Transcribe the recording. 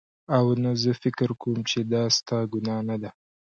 او نه زه فکر کوم چې دا ستا ګناه نده